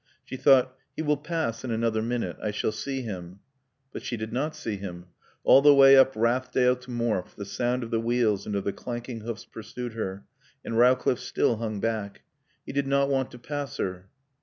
She thought, "He will pass in another minute. I shall see him." But she did not see him. All the way up Rathdale to Morfe the sound of the wheels and of the clanking hoofs pursued her, and Rowcliffe still hung back. He did not want to pass her.